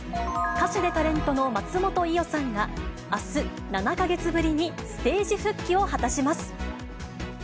歌手でタレントの松本伊代さんが、あす、７か月ぶりにステージ復帰を果たします。